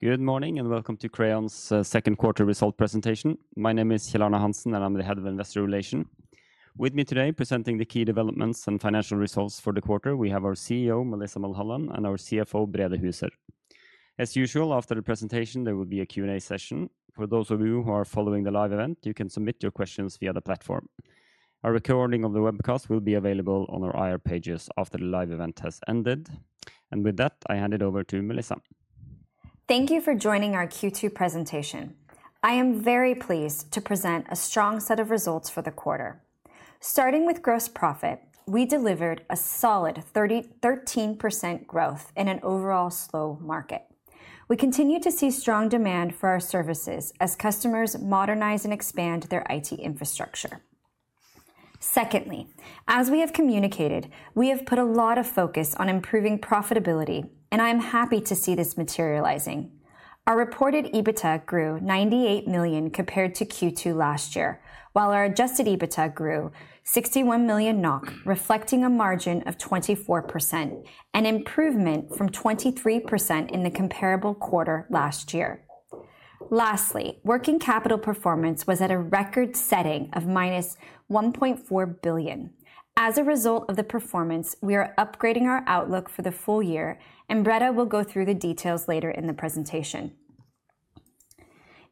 Good morning, and welcome to Crayon's second quarter result presentation. My name is Kjell Arne Hansen, and I'm the Head of Investor Relations. With me today, presenting the key developments and financial results for the quarter, we have our CEO, Melissa Mulholland, and our CFO, Brede Huser. As usual, after the presentation, there will be a Q&A session. For those of you who are following the live event, you can submit your questions via the platform. A recording of the webcast will be available on our IR pages after the live event has ended, and with that, I hand it over to Melissa. Thank you for joining our Q2 presentation. I am very pleased to present a strong set of results for the quarter. Starting with gross profit, we delivered a solid 13% growth in an overall slow market. We continue to see strong demand for our services as customers modernize and expand their IT infrastructure. Secondly, as we have communicated, we have put a lot of focus on improving profitability, and I'm happy to see this materializing. Our reported EBITDA grew 98 million compared to Q2 last year, while our adjusted EBITDA grew 61 million NOK, reflecting a margin of 24%, an improvement from 23% in the comparable quarter last year. Lastly, working capital performance was at a record setting of -1.4 billion. As a result of the performance, we are upgrading our outlook for the full year, and Brede will go through the details later in the presentation.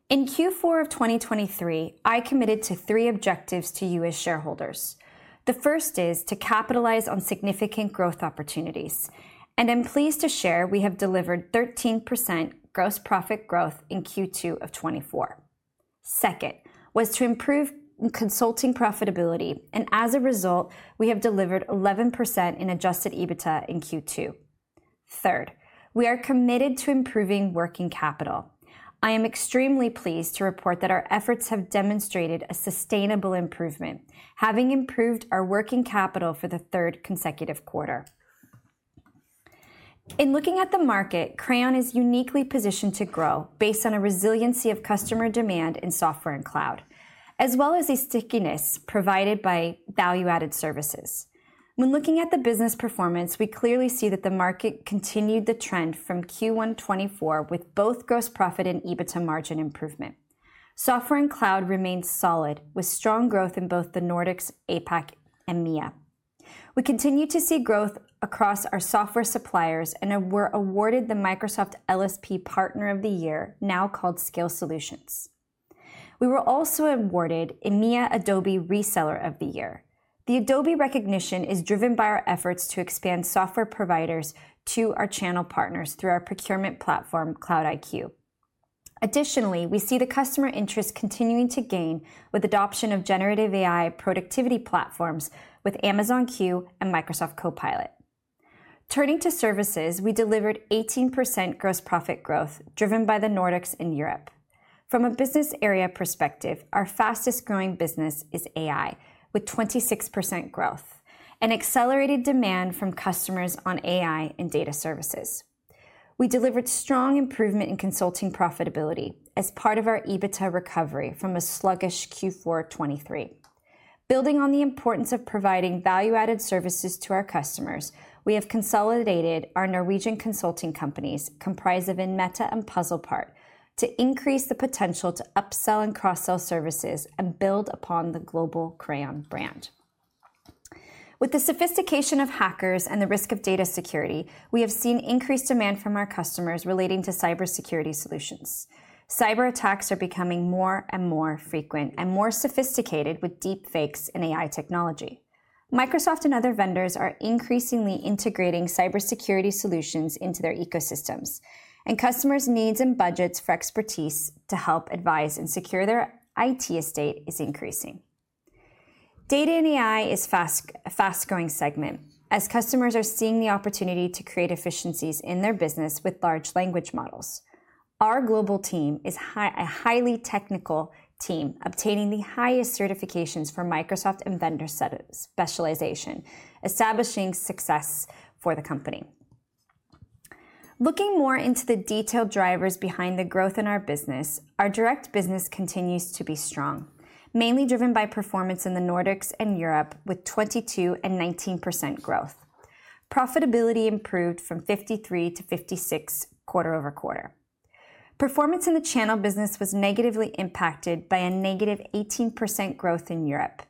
In Q4 of 2023, I committed to three objectives to you as shareholders. The first is to capitalize on significant growth opportunities, and I'm pleased to share we have delivered 13% gross profit growth in Q2 of 2024. Second, was to improve consulting profitability, and as a result, we have delivered 11% in adjusted EBITDA in Q2. Third, we are committed to improving working capital. I am extremely pleased to report that our efforts have demonstrated a sustainable improvement, having improved our working capital for the third consecutive quarter. In looking at the market, Crayon is uniquely positioned to grow based on a resiliency of customer demand in software and cloud, as well as a stickiness provided by value-added services. When looking at the business performance, we clearly see that the market continued the trend from Q1 2024, with both gross profit and EBITDA margin improvement. Software and cloud remains solid, with strong growth in both the Nordics, APAC, and MEA. We continue to see growth across our software suppliers and were awarded the Microsoft LSP Partner of the Year, now called Scale Solutions. We were also awarded EMEA Adobe Reseller of the Year. The Adobe recognition is driven by our efforts to expand software providers to our channel partners through our procurement platform, Cloud-iQ. Additionally, we see the customer interest continuing to gain with adoption of generative AI productivity platforms with Amazon Q and Microsoft Copilot. Turning to services, we delivered 18% gross profit growth, driven by the Nordics and Europe. From a business area perspective, our fastest-growing business is AI, with 26% growth and accelerated demand from customers on AI and data services. We delivered strong improvement in consulting profitability as part of our EBITDA recovery from a sluggish Q4 2023. Building on the importance of providing value-added services to our customers, we have consolidated our Norwegian consulting companies, comprised of Inmeta and Puzzlepart, to increase the potential to upsell and cross-sell services and build upon the global Crayon brand. With the sophistication of hackers and the risk of data security, we have seen increased demand from our customers relating to cybersecurity solutions. Cyberattacks are becoming more and more frequent and more sophisticated with deepfakes in AI technology. Microsoft and other vendors are increasingly integrating cybersecurity solutions into their ecosystems, and customers' needs and budgets for expertise to help advise and secure their IT estate is increasing. Data and AI is a fast-growing segment as customers are seeing the opportunity to create efficiencies in their business with large language models. Our global team is a highly technical team, obtaining the highest certifications for Microsoft and vendor specialization, establishing success for the company. Looking more into the detailed drivers behind the growth in our business, our direct business continues to be strong, mainly driven by performance in the Nordics and Europe, with 22% and 19% growth. Profitability improved from 53 to 56 quarter-over-quarter. Performance in the channel business was negatively impacted by a -8% growth in Europe,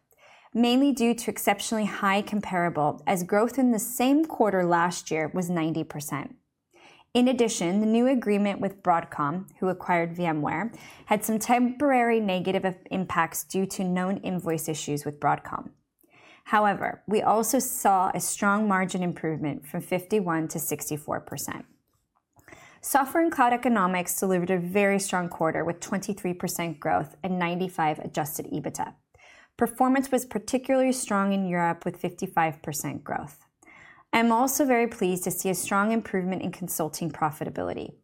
mainly due to exceptionally high comparable, as growth in the same quarter last year was 90%. In addition, the new agreement with Broadcom, who acquired VMware, had some temporary negative impacts due to known invoice issues with Broadcom. However, we also saw a strong margin improvement from 51% to 64%. Software and Cloud Economics delivered a very strong quarter, with 23% growth and 95 adjusted EBITDA. Performance was particularly strong in Europe, with 55% growth. I'm also very pleased to see a strong improvement in consulting profitability.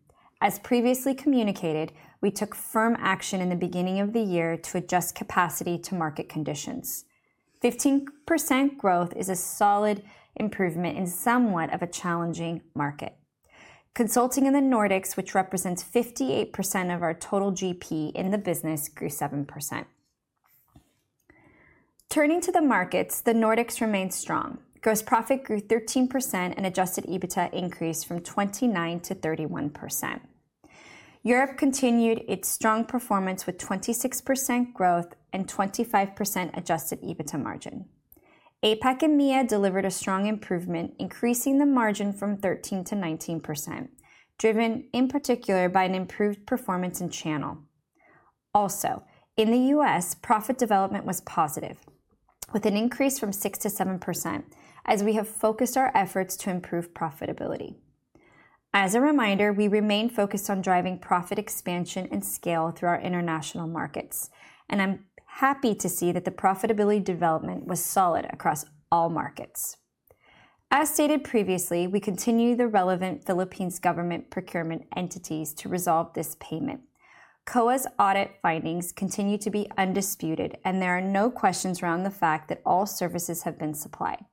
As previously communicated, we took firm action in the beginning of the year to adjust capacity to market conditions. 15% growth is a solid improvement in somewhat of a challenging market. Consulting in the Nordics, which represents 58% of our total GP in the business, grew 7%.... Turning to the markets, the Nordics remained strong. Gross profit grew 13% and adjusted EBITDA increased from 29% to 31%. Europe continued its strong performance with 26% growth and 25% adjusted EBITDA margin. APAC and MEA delivered a strong improvement, increasing the margin from 13% to 19%, driven in particular by an improved performance in channel. Also, in the U.S., profit development was positive, with an increase from 6% to 7%, as we have focused our efforts to improve profitability. As a reminder, we remain focused on driving profit expansion and scale through our international markets, and I'm happy to see that the profitability development was solid across all markets. As stated previously, we continue the relevant Philippines government procurement entities to resolve this payment. COA's audit findings continue to be undisputed, and there are no questions around the fact that all services have been supplied.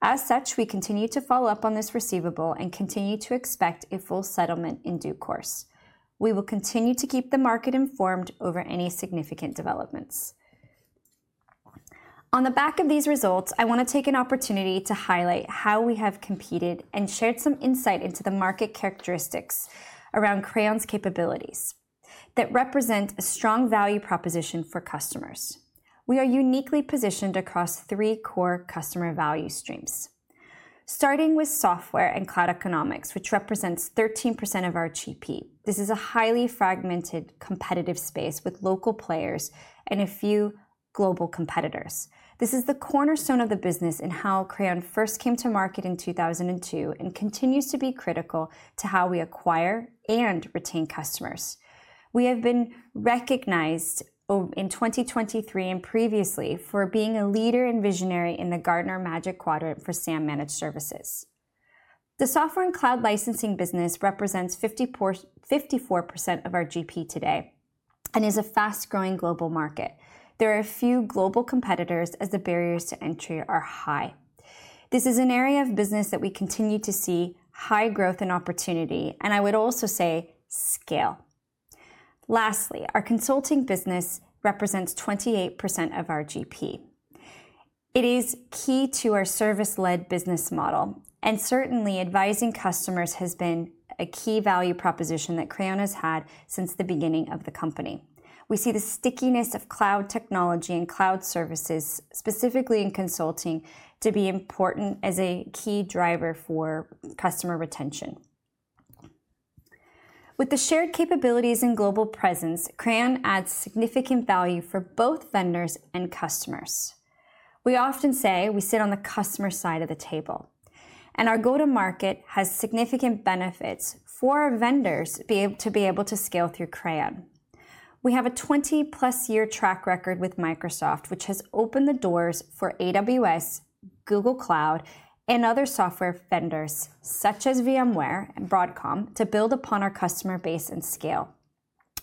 As such, we continue to follow-up on this receivable and continue to expect a full settlement in due course. We will continue to keep the market informed over any significant developments. On the back of these results, I want to take an opportunity to highlight how we have competed and shared some insight into the market characteristics around Crayon's capabilities that represent a strong value proposition for customers. We are uniquely positioned across three core customer value streams. Starting with software and cloud economics, which represents 13% of our GP. This is a highly fragmented, competitive space with local players and a few global competitors. This is the cornerstone of the business and how Crayon first came to market in 2002, and continues to be critical to how we acquire and retain customers. We have been recognized in 2023 and previously for being a leader and visionary in the Gartner Magic Quadrant for SAM Managed Services. The Software and Cloud Licensing business represents 54% of our GP today and is a fast-growing global market. There are a few global competitors as the barriers to entry are high. This is an area of business that we continue to see high growth and opportunity, and I would also say scale. Lastly, our Consulting business represents 28% of our GP. It is key to our service-led business model, and certainly advising customers has been a key value proposition that Crayon has had since the beginning of the company. We see the stickiness of cloud technology and cloud services, specifically in consulting, to be important as a key driver for customer retention. With the shared capabilities and global presence, Crayon adds significant value for both vendors and customers. We often say we sit on the customer side of the table, and our go-to-market has significant benefits for our vendors, be able to scale through Crayon. We have a 20+ year track record with Microsoft, which has opened the doors for AWS, Google Cloud, and other software vendors such as VMware and Broadcom, to build upon our customer base and scale.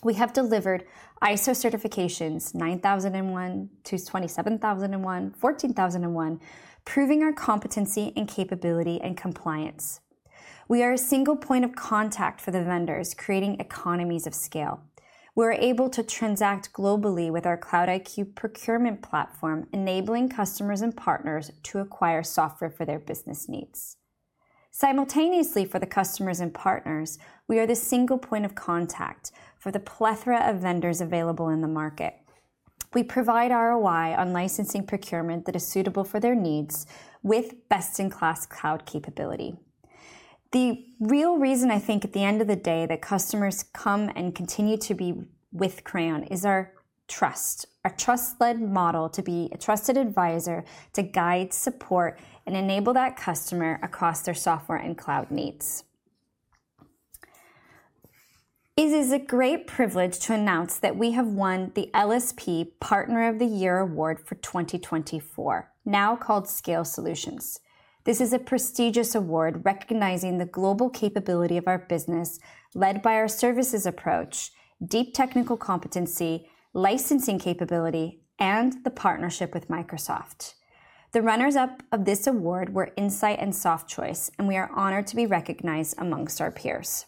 We have delivered ISO certifications, 9001 to 27001, 14001, proving our competency and capability and compliance. We are a single point of contact for the vendors, creating economies of scale. We're able to transact globally with our Cloud-iQ procurement platform, enabling customers and partners to acquire software for their business needs. Simultaneously for the customers and partners, we are the single point of contact for the plethora of vendors available in the market. We provide ROI on licensing procurement that is suitable for their needs with best-in-class cloud capability. The real reason I think at the end of the day, that customers come and continue to be with Crayon is our trust, our trust-led model to be a trusted advisor, to guide, support, and enable that customer across their software and cloud needs. It is a great privilege to announce that we have won the LSP Partner of the Year Award for 2024, now called Scale Solutions. This is a prestigious award recognizing the global capability of our business, led by our services approach, deep technical competency, licensing capability, and the partnership with Microsoft. The runners-up of this award were Insight and Softchoice, and we are honored to be recognized amongst our peers.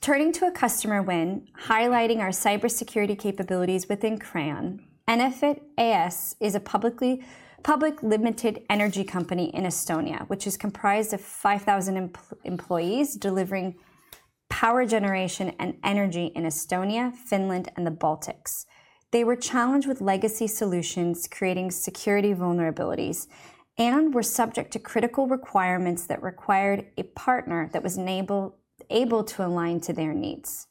Turning to a customer win, highlighting our cybersecurity capabilities within Crayon, Enefit AS is a public limited energy company in Estonia, which is comprised of 5,000 employees delivering power generation and energy in Estonia, Finland, and the Baltics. They were challenged with legacy solutions, creating security vulnerabilities, and were subject to critical requirements that required a partner that was able to align to their needs.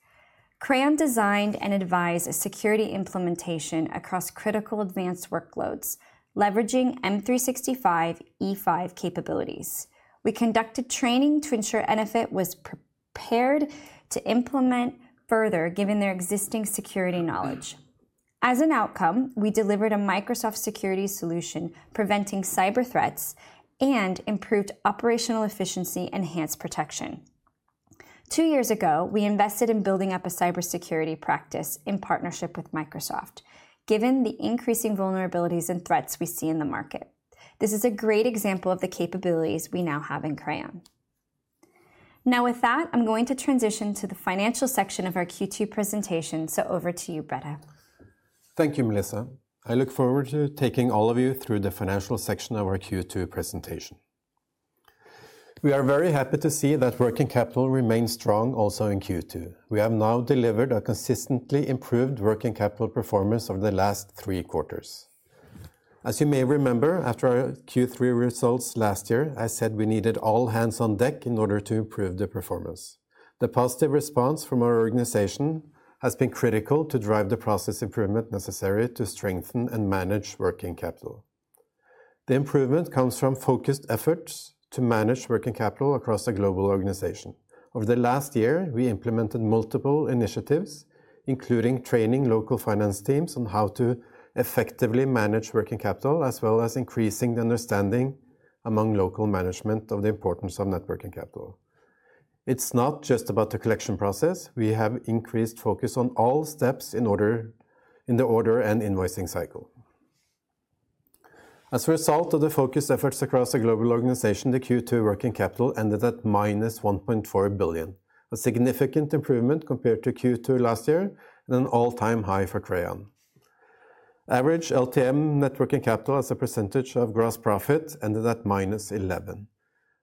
Crayon designed and advised a security implementation across critical advanced workloads, leveraging M365 E5 capabilities. We conducted training to ensure Enefit was prepared to implement further, given their existing security knowledge. As an outcome, we delivered a Microsoft security solution, preventing cyber threats and improved operational efficiency, enhanced protection. Two years ago, we invested in building up a cybersecurity practice in partnership with Microsoft, given the increasing vulnerabilities and threats we see in the market. This is a great example of the capabilities we now have in Crayon. Now with that, I'm going to transition to the financial section of our Q2 presentation. So over to you, Brede. Thank you, Melissa. I look forward to taking all of you through the financial section of our Q2 presentation. We are very happy to see that working capital remains strong also in Q2. We have now delivered a consistently improved working capital performance over the last three quarters. As you may remember, after our Q3 results last year, I said we needed all hands on deck in order to improve the performance. The positive response from our organization has been critical to drive the process improvement necessary to strengthen and manage working capital. The improvement comes from focused efforts to manage working capital across the global organization. Over the last year, we implemented multiple initiatives, including training local finance teams on how to effectively manage working capital, as well as increasing the understanding among local management of the importance of net working capital. It's not just about the collection process. We have increased focus on all steps in the order and invoicing cycle. As a result of the focused efforts across the global organization, the Q2 working capital ended at -1.4 billion, a significant improvement compared to Q2 last year and an all-time high for Crayon. Average LTM net working capital as a percentage of gross profit ended at -11%.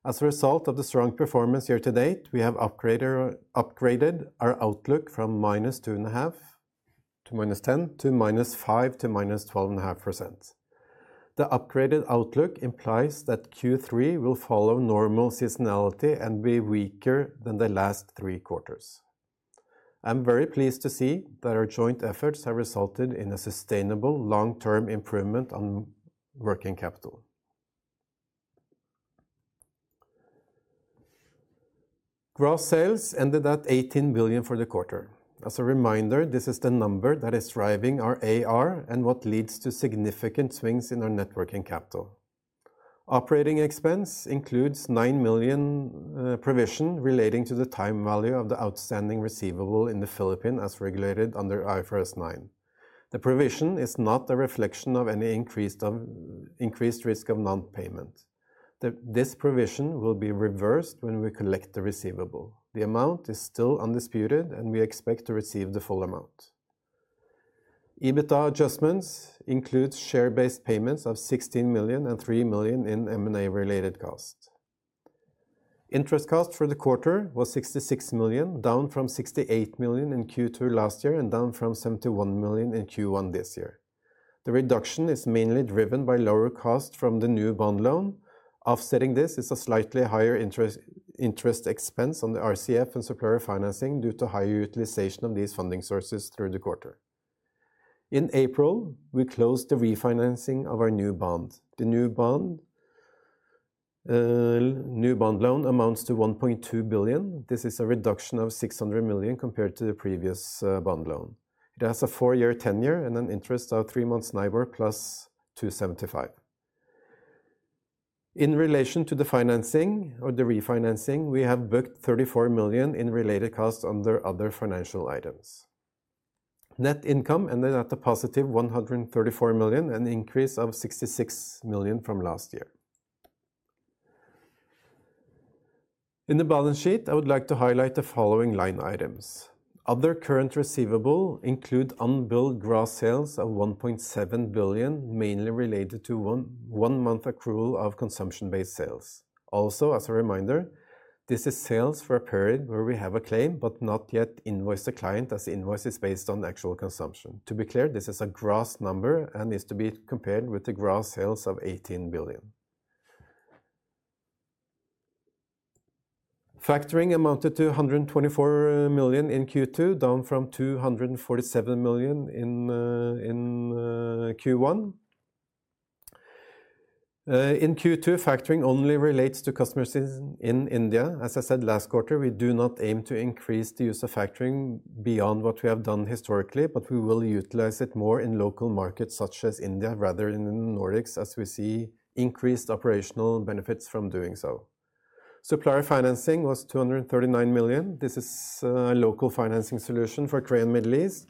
As a result of the strong performance year-to-date, we have upgraded our outlook from -2.5% to -10%, to -5% to -12.5%. The upgraded outlook implies that Q3 will follow normal seasonality and be weaker than the last three quarters. I'm very pleased to see that our joint efforts have resulted in a sustainable long-term improvement on working capital. Gross sales ended at 18 billion for the quarter. As a reminder, this is the number that is driving our AR and what leads to significant swings in our net working capital. Operating expense includes 9 million provision relating to the time value of the outstanding receivable in the Philippines, as regulated under IFRS 9. The provision is not a reflection of any increased risk of non-payment. This provision will be reversed when we collect the receivable. The amount is still undisputed, and we expect to receive the full amount. EBITDA adjustments includes share-based payments of 16 million and 3 million in M&A-related costs. Interest cost for the quarter was 66 million, down from 68 million in Q2 last year and down from 71 million in Q1 this year. The reduction is mainly driven by lower costs from the new bond loan. Offsetting this is a slightly higher interest, interest expense on the RCF and supplier financing due to higher utilization of these funding sources through the quarter. In April, we closed the refinancing of our new bond. The new bond, new bond loan amounts to 1.2 billion. This is a reduction of 600 million compared to the previous, bond loan. It has a four-year tenure and an interest of three months NIBOR plus 275. In relation to the financing or the refinancing, we have booked 34 million in related costs under other financial items. Net income ended at a positive 134 million, an increase of 66 million from last year. In the balance sheet, I would like to highlight the following line items. Other current receivables include unbilled gross sales of 1.7 billion, mainly related to one month accrual of consumption-based sales. Also, as a reminder, this is sales for a period where we have a claim, but not yet invoiced the client, as the invoice is based on the actual consumption. To be clear, this is a gross number and is to be compared with the gross sales of 18 billion. Factoring amounted to 124 million in Q2, down from 247 million in Q1. In Q2, factoring only relates to customers in India. As I said last quarter, we do not aim to increase the use of factoring beyond what we have done historically, but we will utilize it more in local markets such as India, rather than in the Nordics, as we see increased operational benefits from doing so. Supplier financing was 239 million. This is a local financing solution for Crayon Middle East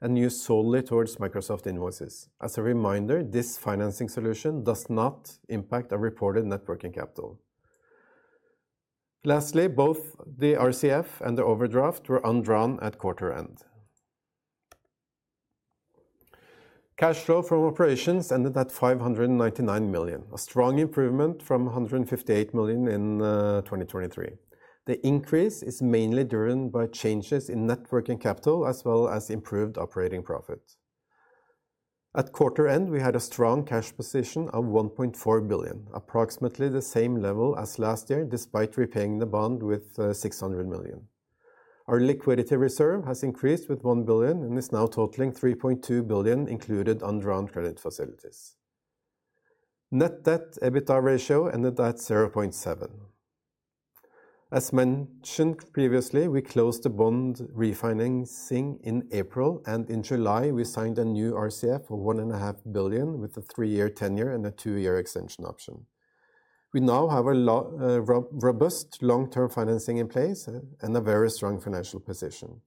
and used solely towards Microsoft invoices. As a reminder, this financing solution does not impact our reported net working capital. Lastly, both the RCF and the overdraft were undrawn at quarter end. Cash flow from operations ended at 599 million, a strong improvement from 158 million in 2023. The increase is mainly driven by changes in net working capital, as well as improved operating profit. At quarter end, we had a strong cash position of 1.4 billion, approximately the same level as last year, despite repaying the bond with 600 million. Our liquidity reserve has increased with 1 billion and is now totaling 3.2 billion, included undrawn credit facilities. Net debt EBITDA ratio ended at 0.7. As mentioned previously, we closed the bond refinancing in April, and in July, we signed a new RCF of 1.5 billion with a three-year tenure and a two-year extension option. We now have a robust long-term financing in place and a very strong financial position.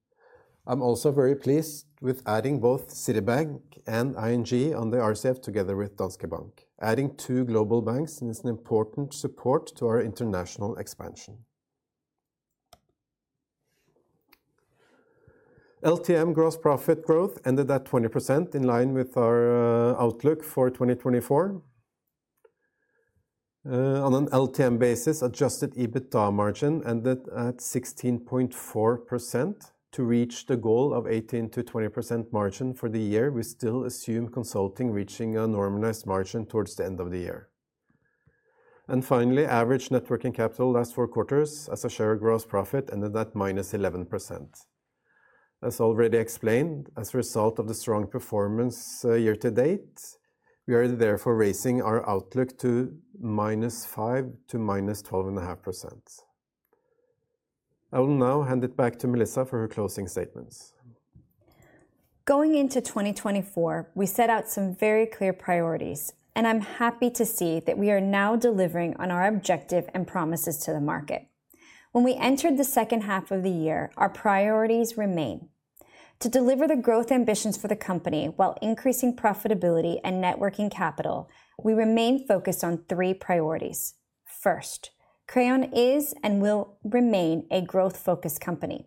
I'm also very pleased with adding both Citibank and ING on the RCF together with Danske Bank. Adding two global banks is an important support to our international expansion. LTM gross profit growth ended at 20%, in line with our outlook for 2024. On an LTM basis, adjusted EBITDA margin ended at 16.4%. To reach the goal of 18%-20% margin for the year, we still assume consulting reaching a normalized margin towards the end of the year. And finally, average net working capital last four quarters as a share of gross profit ended at -11%. As already explained, as a result of the strong performance, year-to-date, we are therefore raising our outlook to -5% to -12.5%. I will now hand it back to Melissa for her closing statements. Going into 2024, we set out some very clear priorities, and I'm happy to see that we are now delivering on our objective and promises to the market. When we entered the second half of the year, our priorities remained. To deliver the growth ambitions for the company while increasing profitability and net working capital, we remain focused on three priorities. First, Crayon is and will remain a growth-focused company.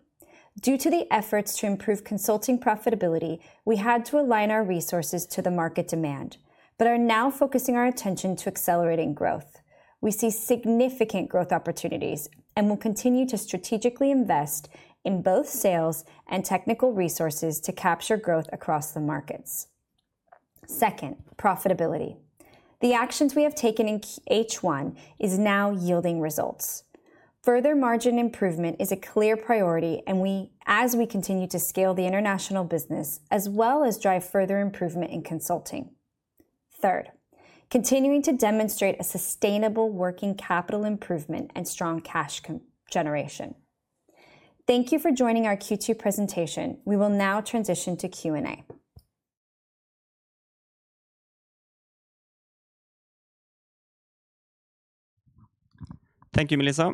Due to the efforts to improve consulting profitability, we had to align our resources to the market demand, but are now focusing our attention to accelerating growth. We see significant growth opportunities and will continue to strategically invest in both sales and technical resources to capture growth across the markets. Second, profitability. The actions we have taken in Q1 is now yielding results. Further margin improvement is a clear priority, and we, as we continue to scale the international business, as well as drive further improvement in consulting. Third, continuing to demonstrate a sustainable working capital improvement and strong cash generation. Thank you for joining our Q2 presentation. We will now transition to Q&A. Thank you, Melissa.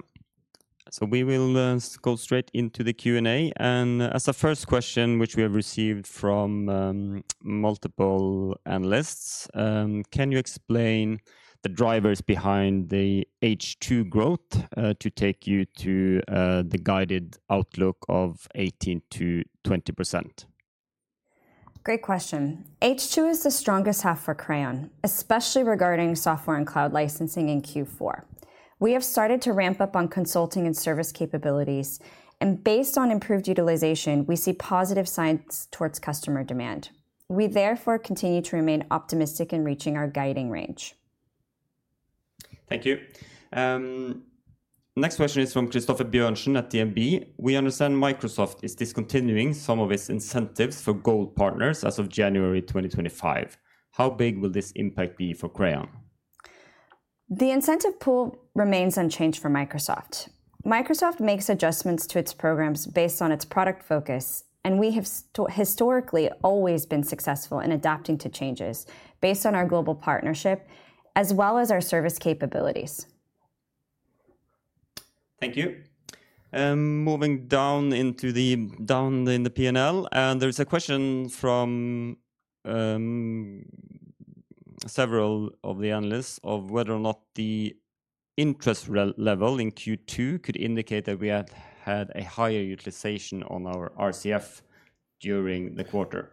So we will go straight into the Q&A. And as a first question, which we have received from multiple analysts: can you explain the drivers behind the H2 growth to take you to the guided outlook of 18%-20%? Great question. H2 is the strongest half for Crayon, especially regarding software and cloud licensing in Q4. We have started to ramp up on consulting and service capabilities, and based on improved utilization, we see positive signs towards customer demand. We therefore continue to remain optimistic in reaching our guiding range. Thank you. Next question is from Christoffer Bjørnsen at DNB. We understand Microsoft is discontinuing some of its incentives for gold partners as of January 2025. How big will this impact be for Crayon? The incentive pool remains unchanged for Microsoft. Microsoft makes adjustments to its programs based on its product focus, and we have historically, always been successful in adapting to changes based on our global partnership, as well as our service capabilities. Thank you. Moving down in the P&L, and there is a question from several of the analysts of whether or not the interest expense level in Q2 could indicate that we had a higher utilization on our RCF during the quarter.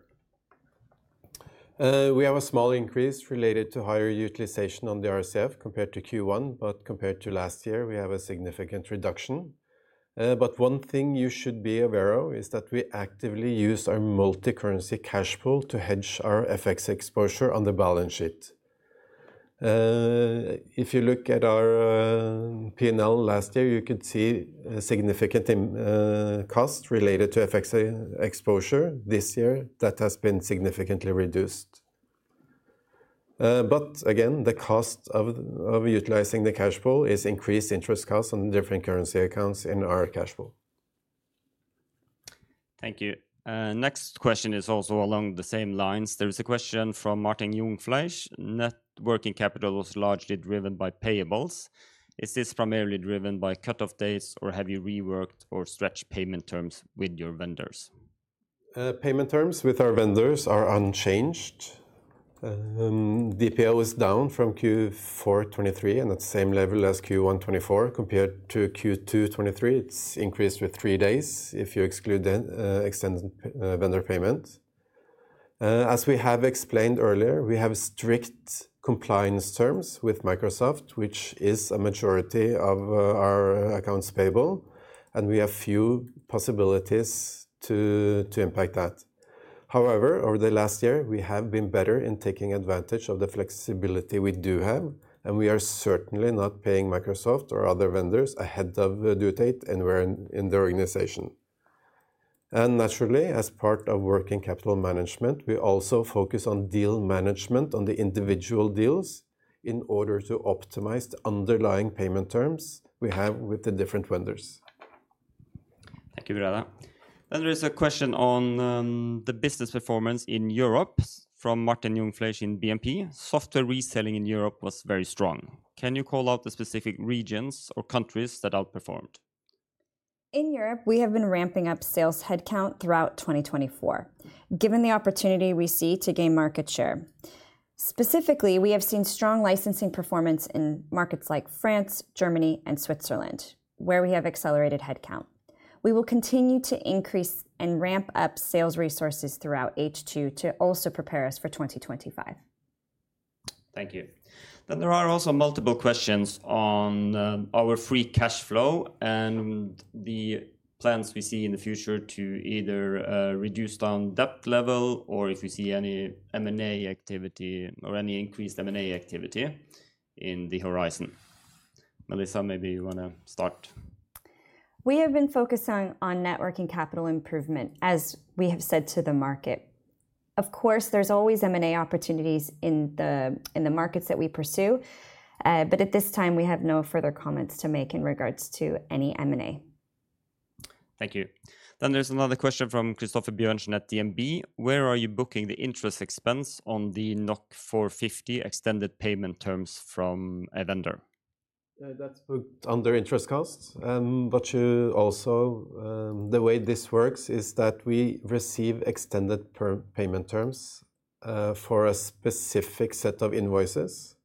We have a small increase related to higher utilization on the RCF compared to Q1, but compared to last year, we have a significant reduction. But one thing you should be aware of is that we actively use our multicurrency cash pool to hedge our FX exposure on the balance sheet. If you look at our P&L last year, you could see a significant cost related to FX exposure. This year, that has been significantly reduced. But again, the cost of utilizing the cash flow is increased interest costs on different currency accounts in our cash flow. Thank you. Next question is also along the same lines. There is a question from Martin Jungfleisch. Net working capital was largely driven by payables. Is this primarily driven by cut-off dates, or have you reworked or stretched payment terms with your vendors? Payment terms with our vendors are unchanged. DPO is down from Q4 2023 and at the same level as Q1 2024. Compared to Q2 2023, it's increased with three days if you exclude the extended vendor payment. As we have explained earlier, we have strict compliance terms with Microsoft, which is a majority of our accounts payable, and we have few possibilities to impact that. However, over the last year, we have been better in taking advantage of the flexibility we do have, and we are certainly not paying Microsoft or other vendors ahead of the due date, anywhere in the organization. And naturally, as part of working capital management, we also focus on deal management on the individual deals in order to optimize the underlying payment terms we have with the different vendors. Thank you, Brede. Then there is a question on the business performance in Europe from Martin Jungfleisch in BNP. Software reselling in Europe was very strong. Can you call out the specific regions or countries that outperformed?... In Europe, we have been ramping up sales headcount throughout 2024, given the opportunity we see to gain market share. Specifically, we have seen strong licensing performance in markets like France, Germany, and Switzerland, where we have accelerated headcount. We will continue to increase and ramp up sales resources throughout H2 to also prepare us for 2025. Thank you. Then there are also multiple questions on our free cash flow and the plans we see in the future to either reduce down debt level or if you see any M&A activity or any increased M&A activity in the horizon. Melissa, maybe you want to start? We have been focused on net working capital improvement, as we have said to the market. Of course, there's always M&A opportunities in the markets that we pursue, but at this time, we have no further comments to make in regards to any M&A. Thank you. Then there's another question from Christoffer Bjørnsen at DNB: Where are you booking the interest expense on the 450 million extended payment terms from a vendor? That's booked under interest costs, but you also. The way this works is that we receive extended payment terms for a specific set of invoices,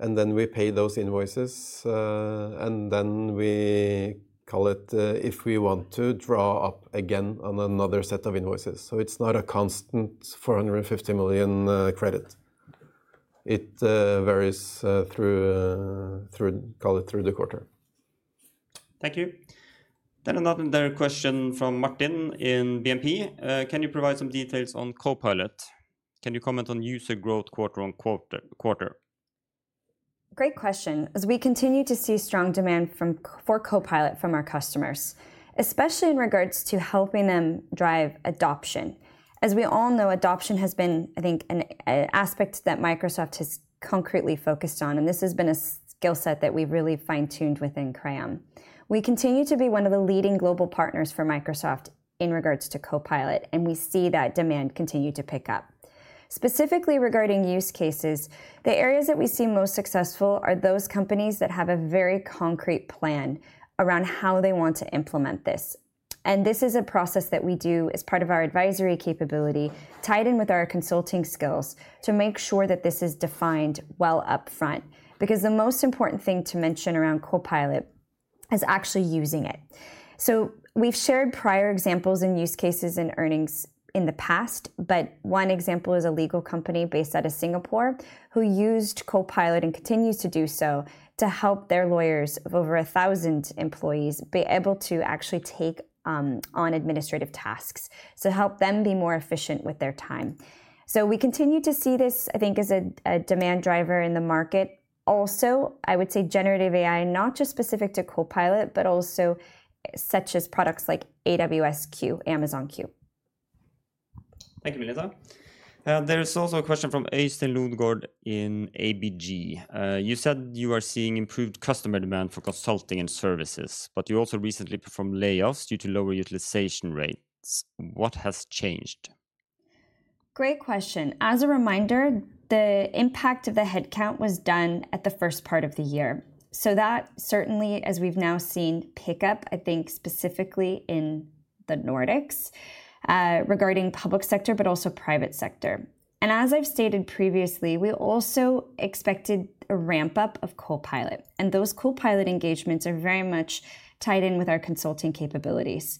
and then we pay those invoices, and then we call it if we want to draw down again on another set of invoices, so it's not a constant 450 million credit. It varies through, call it, through the quarter. Thank you. Then another question from Martin in BNP. "Can you provide some details on Copilot? Can you comment on user growth "quarter"? Great question. As we continue to see strong demand for Copilot from our customers, especially in regards to helping them drive adoption. As we all know, adoption has been, I think, an aspect that Microsoft has concretely focused on, and this has been a skill set that we've really fine-tuned within Crayon. We continue to be one of the leading global partners for Microsoft in regards to Copilot, and we see that demand continue to pick up. Specifically regarding use cases, the areas that we see most successful are those companies that have a very concrete plan around how they want to implement this, and this is a process that we do as part of our advisory capability, tied in with our consulting skills, to make sure that this is defined well upfront. Because the most important thing to mention around Copilot is actually using it. We've shared prior examples in use cases and earnings in the past, but one example is a legal company based out of Singapore, who used Copilot and continues to do so to help their lawyers of over 1,000 employees be able to actually take on administrative tasks, to help them be more efficient with their time. We continue to see this, I think, as a demand driver in the market. Also, I would say generative AI, not just specific to Copilot, but also such as products like Amazon Q. Thank you, Melissa. There is also a question from Øystein Lodgaard in ABG. "You said you are seeing improved customer demand for consulting and services, but you also recently performed layoffs due to lower utilization rates. What has changed? Great question. As a reminder, the impact of the headcount was done at the first part of the year. That certainly, as we've now seen pick up, I think specifically in the Nordics, regarding public sector, but also private sector. As I've stated previously, we also expected a ramp-up of Copilot, and those Copilot engagements are very much tied in with our consulting capabilities.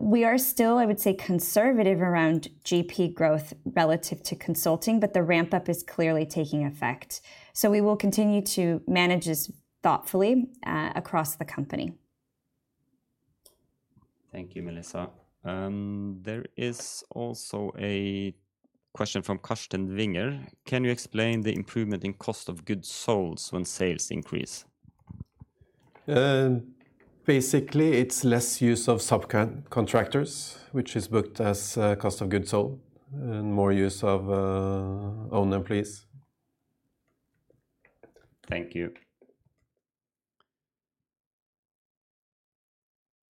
We are still, I would say, conservative around GP growth relative to consulting, but the ramp-up is clearly taking effect. We will continue to manage this thoughtfully across the company. Thank you, Melissa. There is also a question from Carsten Winger: "Can you explain the improvement in cost of goods sold when sales increase? Basically, it's less use of subcontractors, which is booked as cost of goods sold, and more use of our own. Thank you.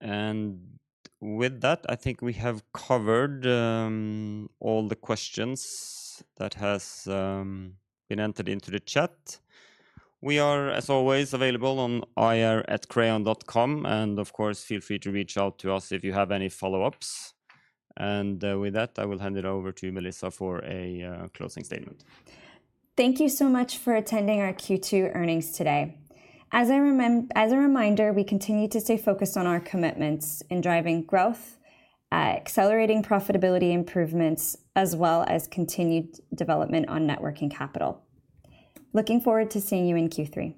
And with that, I think we have covered all the questions that has been entered into the chat. We are, as always, available on ir@crayon.com, and of course, feel free to reach out to us if you have any follow-ups. And, with that, I will hand it over to Melissa for a closing statement. Thank you so much for attending our Q2 earnings today. As a reminder, we continue to stay focused on our commitments in driving growth, accelerating profitability improvements, as well as continued development on net working capital. Looking forward to seeing you in Q3.